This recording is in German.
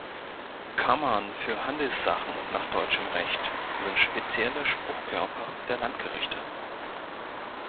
Kammern für Handelssachen nach deutschem Recht sind spezielle Spruchkörper der Landgerichte.